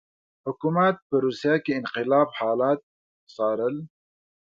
حکومت په روسیه کې انقلاب حالات څارل.